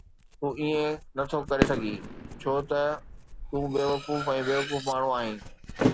تون ائين نٿو ڪري سگهين ڇو ته تون بيوقوف ۽ بيوقوف ماڻهو آهين